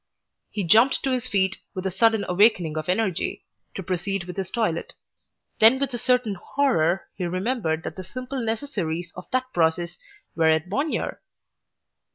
He jumped to his feet with a sudden awakening of energy, to proceed with his toilet. Then with a certain horror he remembered that the simple necessaries of that process were at Bognor!